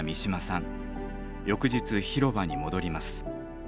翌日広場に戻ります。